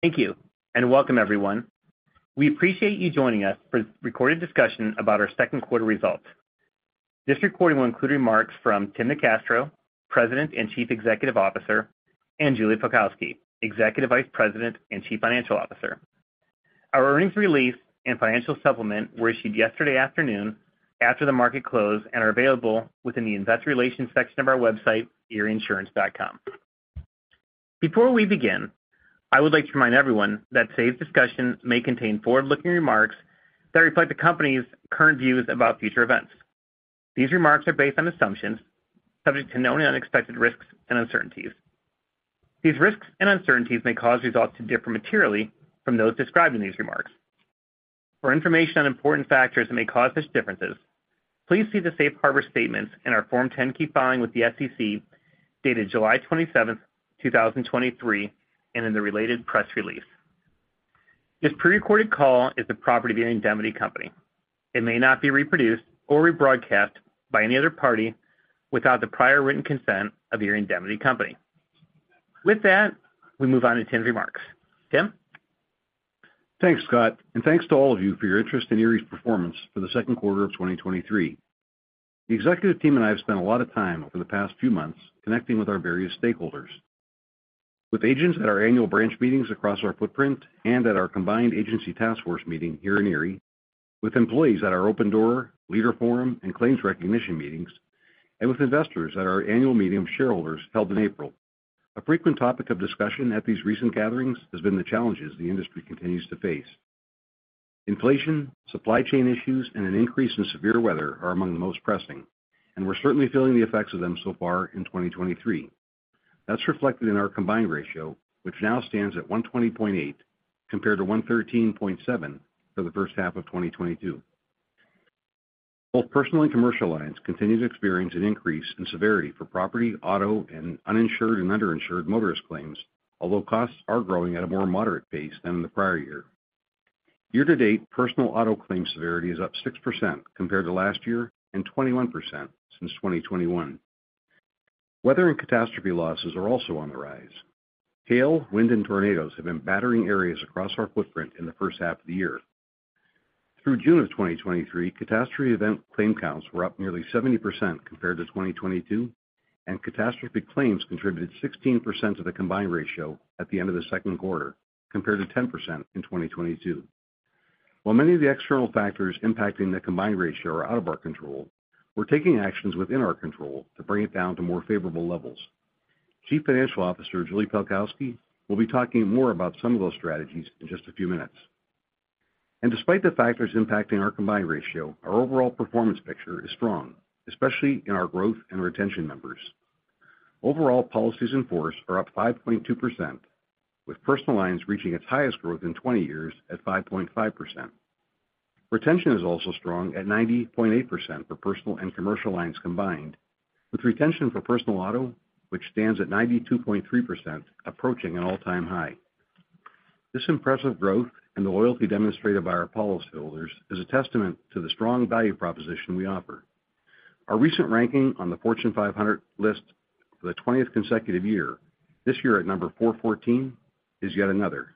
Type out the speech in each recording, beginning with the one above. Thank you, and welcome, everyone. We appreciate you joining us for this recorded discussion about our second quarter results. This recording will include remarks from Tim NeCastro, President and Chief Executive Officer, and Julie Pelkowski, Executive Vice President and Chief Financial Officer. Our earnings release and financial supplement were issued yesterday afternoon after the market closed and are available within the Investor Relations section of our website, erieinsurance.com. Before we begin, I would like to remind everyone that today's discussion may contain forward-looking remarks that reflect the company's current views about future events. These remarks are based on assumptions, subject to known and unexpected risks and uncertainties. These risks and uncertainties may cause results to differ materially from those described in these remarks. For information on important factors that may cause such differences, please see the safe harbor statements in our Form 10-K filing with the SEC, dated 27 July, 2023, and in the related press release. This prerecorded call is the property of The Indemnity Company. It may not be reproduced or rebroadcast by any other party without the prior written consent of The Indemnity Company. With that, we move on to Tim's remarks. Tim? Thanks, Scott, thanks to all of you for your interest in Erie's performance for the second quarter of 2023. The executive team and I have spent a lot of time over the past few months connecting with our various stakeholders. With agents at our annual branch meetings across our footprint and at our combined agency taskforce meeting here in Erie, with employees at our open door, leader forum, and claims recognition meetings, and with investors at our annual meeting of shareholders held in April. A frequent topic of discussion at these recent gatherings has been the challenges the industry continues to face. Inflation, supply chain issues, and an increase in severe weather are among the most pressing, and we're certainly feeling the effects of them so far in 2023. That's reflected in our combined ratio, which now stands at 120.8, compared to 113.7 for the first half of 2022. Both personal and commercial lines continue to experience an increase in severity for property, auto, and uninsured and underinsured motorist claims, although costs are growing at a more moderate pace than in the prior year. Year to date, personal auto claim severity is up 6% compared to last year, and 21% since 2021. Weather and catastrophe losses are also on the rise. Hail, wind, and tornadoes have been battering areas across our footprint in the first half of the year. Through June of 2023, catastrophe event claim counts were up nearly 70% compared to 2022, and catastrophic claims contributed 16% of the combined ratio at the end of the second quarter, compared to 10% in 2022. While many of the external factors impacting the combined ratio are out of our control, we're taking actions within our control to bring it down to more favorable levels. Chief Financial Officer, Julie Pelkowski, will be talking more about some of those strategies in just a few minutes. Despite the factors impacting our combined ratio, our overall performance picture is strong, especially in our growth and retention numbers. Overall, policies in force are up 5.2%, with personal lines reaching its highest growth in 20 years at 5.5%. Retention is also strong at 90.8% for personal and commercial lines combined, with retention for personal auto, which stands at 92.3%, approaching an all-time high. This impressive growth and the loyalty demonstrated by our policyholders is a testament to the strong value proposition we offer. Our recent ranking on the Fortune 500 list for the 20th consecutive year, this year at number 414, is yet another.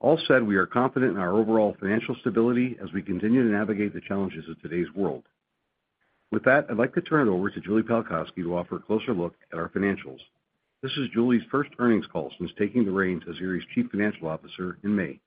All said, we are confident in our overall financial stability as we continue to navigate the challenges of today's world. I'd like to turn it over to Julie Pelkowski to offer a closer look at our financials. This is Julie's first earnings call since taking the reins as Erie's Chief Financial Officer in May.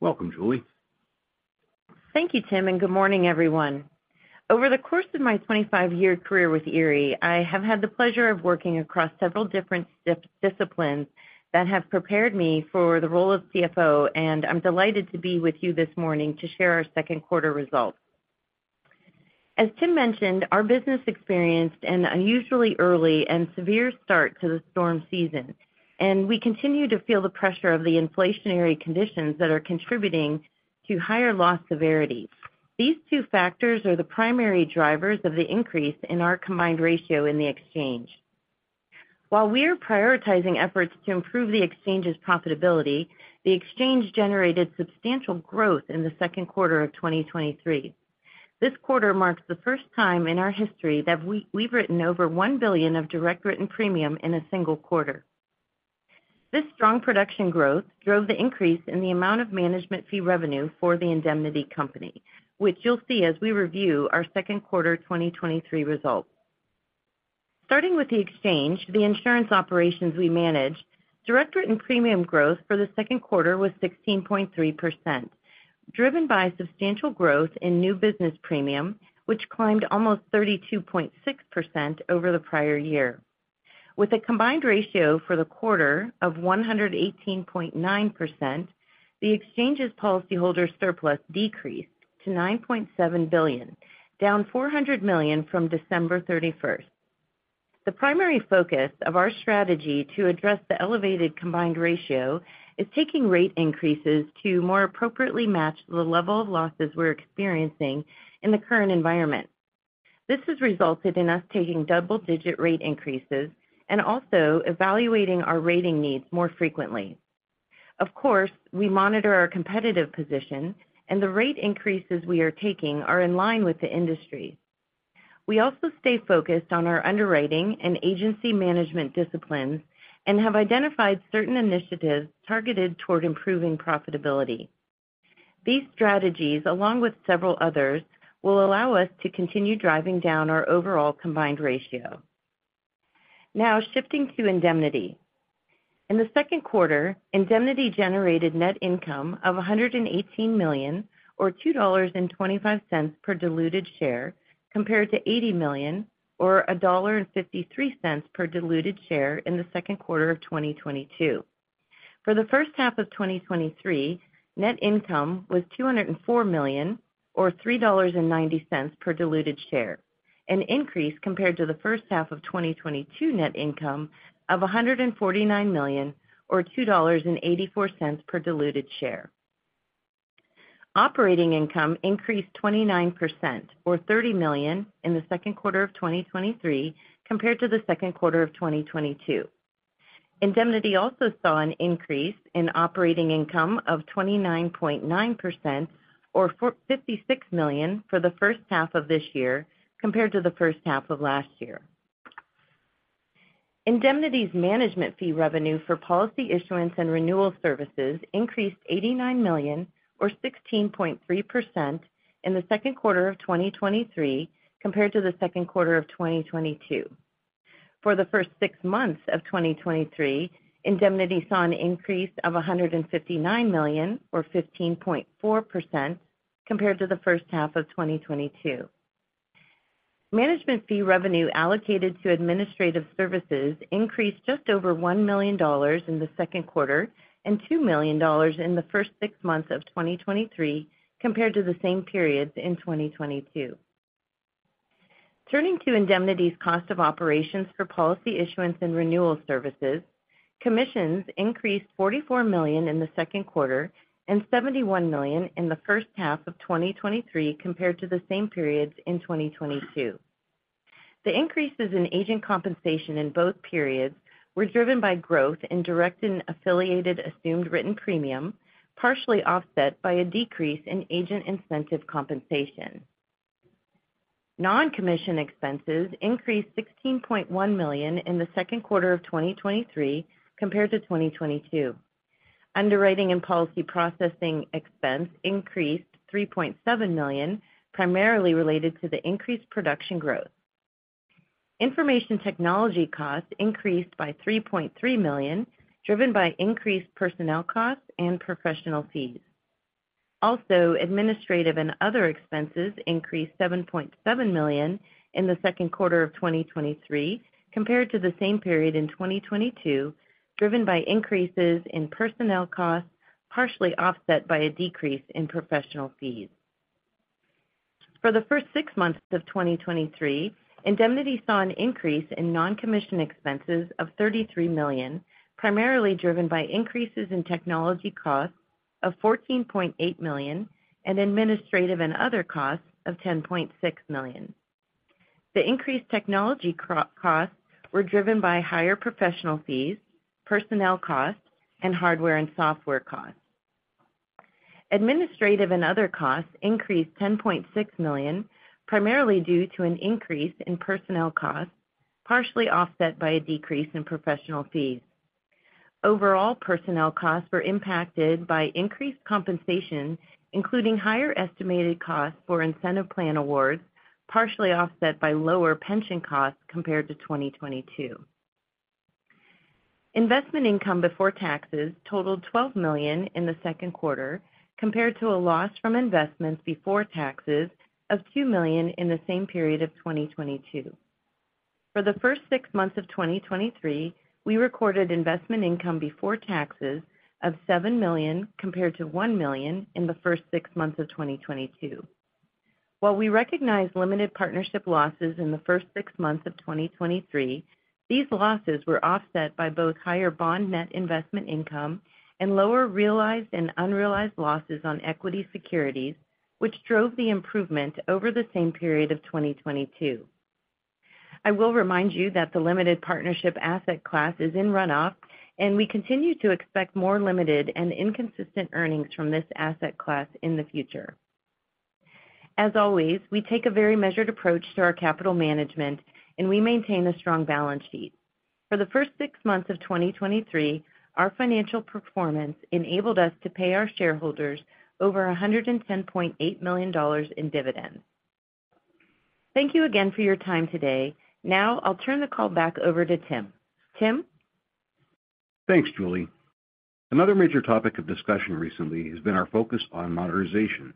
Welcome, Julie. Thank you, Tim. Good morning, everyone. Over the course of my 25 year career with Erie, I have had the pleasure of working across several different disciplines that have prepared me for the role of CFO. I'm delighted to be with you this morning to share our second quarter results. As Tim mentioned, our business experienced an unusually early and severe start to the storm season. We continue to feel the pressure of the inflationary conditions that are contributing to higher loss severity. These two factors are the primary drivers of the increase in our combined ratio in the Exchange. While we are prioritizing efforts to improve the Exchange's profitability, the Exchange generated substantial growth in the second quarter of 2023. This quarter marks the first time in our history that we've written over $1 billion of direct written premium in a single quarter. This strong production growth drove the increase in the amount of management fee revenue for the Indemnity Company, which you'll see as we review our second quarter 2023 results. Starting with the Exchange, the insurance operations we manage, direct written premium growth for the second quarter was 16.3%, driven by substantial growth in new business premium, which climbed almost 32.6% over the prior year. With a combined ratio for the quarter of 118.9%, the Exchange's policyholder surplus decreased to $9.7 billion, down $400 million from 31 December. The primary focus of our strategy to address the elevated combined ratio is taking rate increases to more appropriately match the level of losses we're experiencing in the current environment. This has resulted in us taking double-digit rate increases and also evaluating our rating needs more frequently. Of course, we monitor our competitive position, and the rate increases we are taking are in line with the industry. We also stay focused on our underwriting and agency management disciplines and have identified certain initiatives targeted toward improving profitability. These strategies, along with several others, will allow us to continue driving down our overall combined ratio. Now shifting to Indemnity. In the second quarter, Indemnity generated net income of $118 million, or $2.25 per diluted share, compared to $80 million, or $1.53 per diluted share in the second quarter of 2022. For the first half of 2023, net income was $204 million, or $3.90 per diluted share, an increase compared to the first half of 2022 net income of $149 million, or $2.84 per diluted share. Operating income increased 29%, or $30 million in the second quarter of 2023, compared to the second quarter of 2022. Indemnity also saw an increase in operating income of 29.9%, or $56 million for the first half of this year compared to the first half of last year. Indemnity's management fee revenue for policy issuance and renewal services increased $89 million, or 16.3%, in the second quarter of 2023 compared to the second quarter of 2022. For the first six months of 2023, Indemnity saw an increase of $159 million, or 15.4%, compared to the first half of 2022. management fee revenue allocated to administrative services increased just over $1 million in the second quarter and $2 million in the first six months of 2023 compared to the same periods in 2022. Turning to Indemnity's cost of operations for policy issuance and renewal services, commissions increased $44 million in the second quarter and $71 million in the first half of 2023 compared to the same periods in 2022. The increases in agent compensation in both periods were driven by growth in direct and affiliated assumed written premium, partially offset by a decrease in agent incentive compensation. Non-commission expenses increased $16.1 million in the second quarter of 2023 compared to 2022. Underwriting and policy processing expense increased $3.7 million, primarily related to the increased production growth. Information technology costs increased by $3.3 million, driven by increased personnel costs and professional fees. Also, administrative and other expenses increased $7.7 million in the second quarter of 2023 compared to the same period in 2022, driven by increases in personnel costs, partially offset by a decrease in professional fees. For the first six months of 2023, Indemnity saw an increase in non-commission expenses of $33 million, primarily driven by increases in technology costs of $14.8 million and administrative and other costs of $10.6 million. The increased technology costs were driven by higher professional fees, personnel costs, and hardware and software costs. Administrative and other costs increased $10.6 million, primarily due to an increase in personnel costs, partially offset by a decrease in professional fees. Overall, personnel costs were impacted by increased compensation, including higher estimated costs for incentive plan awards, partially offset by lower pension costs compared to 2022. Investment income before taxes totaled $12 million in the second quarter, compared to a loss from investments before taxes of $2 million in the same period of 2022. For the first six months of 2023, we recorded investment income before taxes of $7 million, compared to $1 million in the first six months of 2022. While we recognized limited partnership losses in the first six months of 2023, these losses were offset by both higher bond net investment income and lower realized and unrealized losses on equity securities, which drove the improvement over the same period of 2022. I will remind you that the limited partnership asset class is in runoff, and we continue to expect more limited and inconsistent earnings from this asset class in the future. As always, we take a very measured approach to our capital management, and we maintain a strong balance sheet. For the first six months of 2023, our financial performance enabled us to pay our shareholders over $110.8 million in dividends. Thank you again for your time today. Now I'll turn the call back over to Tim. Tim? Thanks, Julie. Another major topic of discussion recently has been our focus on modernization.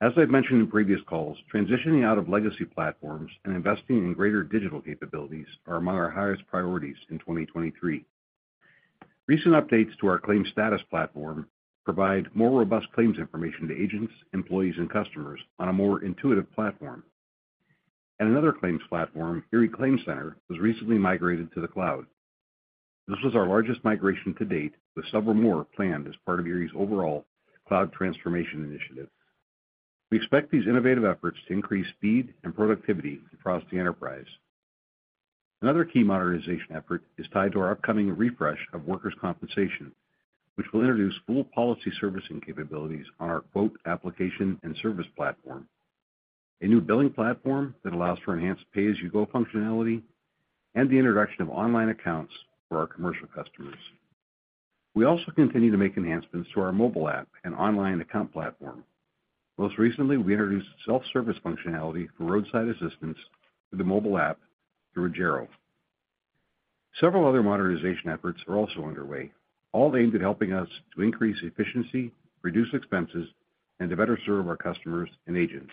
As I've mentioned in previous calls, transitioning out of legacy platforms and investing in greater digital capabilities are among our highest priorities in 2023. Recent updates to our claims status platform provide more robust claims information to agents, employees, and customers on a more intuitive platform. Another claims platform, Erie Claim Center, was recently migrated to the cloud. This was our largest migration to date, with several more planned as part of Erie's overall cloud transformation initiative. We expect these innovative efforts to increase speed and productivity across the enterprise. Another key modernization effort is tied to our upcoming refresh of workers' compensation, which will introduce full policy servicing capabilities on our quote, application, and service platform, a new billing platform that allows for enhanced pay-as-you-go functionality, and the introduction of online accounts for our commercial customers. We also continue to make enhancements to our mobile app and online account platform. Most recently, we introduced self-service functionality for roadside assistance through the mobile app through Agero. Several other modernization efforts are also underway, all aimed at helping us to increase efficiency, reduce expenses, and to better serve our customers and agents.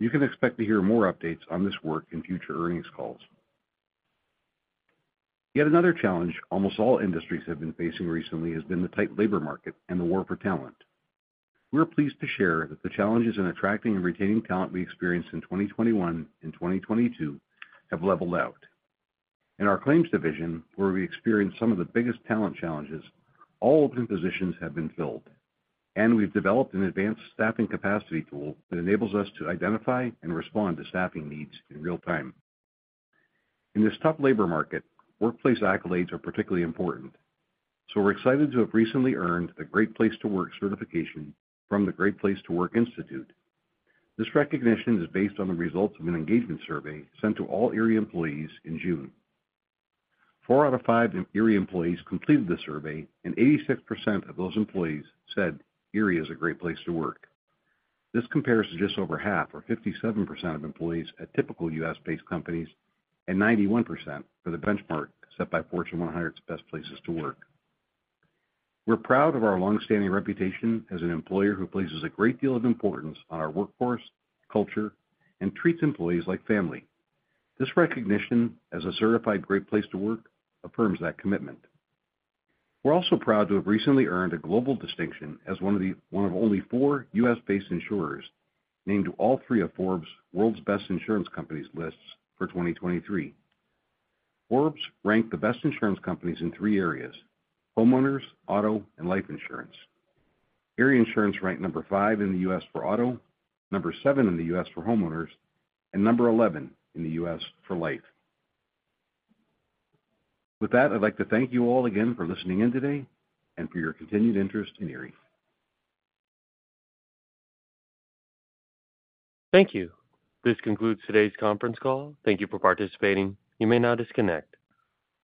You can expect to hear more updates on this work in future earnings calls. Yet another challenge almost all industries have been facing recently has been the tight labor market and the war for talent. We're pleased to share that the challenges in attracting and retaining talent we experienced in 2021 and 2022 have leveled out. In our claims division, where we experienced some of the biggest talent challenges, all open positions have been filled, and we've developed an advanced staffing capacity tool that enables us to identify and respond to staffing needs in real time. In this tough labor market, workplace accolades are particularly important, so we're excited to have recently earned the Great Place To Work certification from the Great Place To Work Institute. This recognition is based on the results of an engagement survey sent to all Erie employees in June. 4/5 Erie employees completed the survey, and 86% of those employees said Erie is a great place to work. This compares to just over half, or 57% of employees at typical U.S.-based companies, and 91% for the benchmark set by Fortune 100 Best Companies to Work For. We're proud of our long-standing reputation as an employer who places a great deal of importance on our workforce, culture, and treats employees like family. This recognition as a certified Great Place to Work affirms that commitment. We're also proud to have recently earned a global distinction as one of only four U.S.-based insurers named to all three of Forbes' World's Best Insurance Companies lists for 2023. Forbes ranked the best insurance companies in three areas: homeowners, auto, and life insurance. Erie Insurance ranked number five in the U.S. for auto, number seven in the U.S. for homeowners, and number 11 in the U.S. for life. With that, I'd like to thank you all again for listening in today and for your continued interest in Erie. Thank you. This concludes today's conference call. Thank you for participating. You may now disconnect.